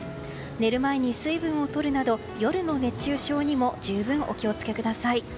寝る前に水分を取るなど夜の熱中症にも十分お気を付けください。